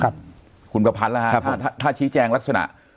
อืมคุณประพันธ์ครับฮะถ้าชี้แจงลักษณะ